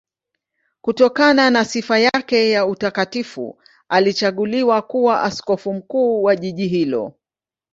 Kutokana na sifa yake ya utakatifu alichaguliwa kuwa askofu mkuu wa jiji hilo.